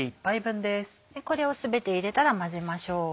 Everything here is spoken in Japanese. これを全て入れたら混ぜましょう。